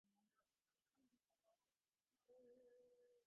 আভিররা তোকে ছাড়বে না।